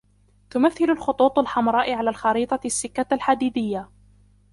تمثل الخطوط الحمراء على الخريطة السكة الحديدية.